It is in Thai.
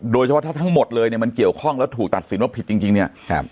โดยเฉพาะถ้าทั้งหมดเลยเนี่ยมันเกี่ยวข้องแล้วถูกตัดสินว่าผิดจริงเนี่ย